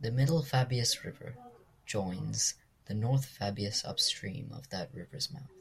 The Middle Fabius River joins the North Fabius upstream of that river's mouth.